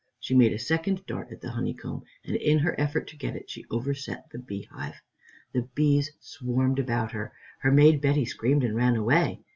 She made a second dart at the honeycomb and, in her effort to get it, she overset the beehive. The bees swarmed about her. Her maid Betty screamed and ran away.